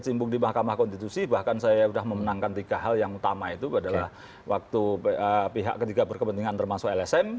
singgung di mahkamah konstitusi bahkan saya sudah memenangkan tiga hal yang utama itu pada waktu pihak ketiga berkepentingan termasuk lsm